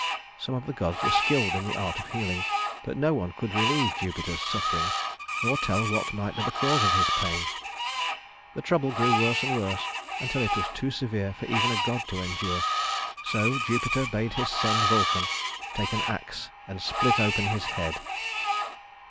Some of the gods were skilled in the art of healing; but no one could relieve Jupiter's suffering, nor tell what might be the cause of his pain. The trouble grew worse and worse until it was too severe for even a god to endure; so Jupiter bade his son Vulcan take an ax and split open his head.